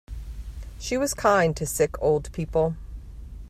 She was kind to sick old people.